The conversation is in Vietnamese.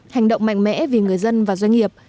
hành động mạnh mẽ vì người dân và doanh nghiệp